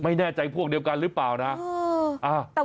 ไม่แน่ใจพวกเดียวกันหรือเปล่านะเอออ่าอย่างนี้แล้วกัน